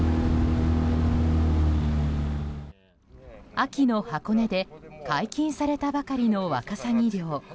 秋の箱根で解禁されたばかりのワカサギ漁。